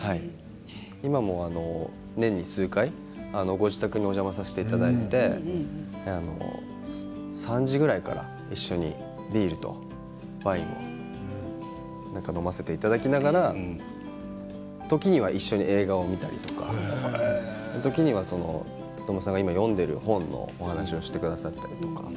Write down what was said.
今も年に数回ご自宅にお邪魔させていただいて３時くらいから一緒にビールとワインを飲ませていただきながら時には一緒に映画を見たりとか時には今、努さんが読んでいる本の話をしてくださったり。